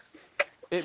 えっ？